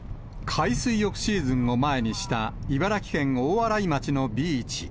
海水浴シーズンを前にした茨城県大洗町のビーチ。